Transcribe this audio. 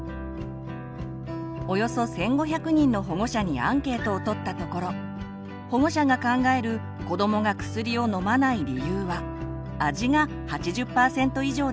およそ１，５００人の保護者にアンケートを取ったところ保護者が考える子どもが薬を飲まない理由は「味」が８０％以上でした。